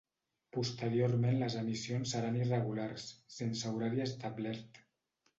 Posteriorment les emissions seran irregulars, sense horari establert.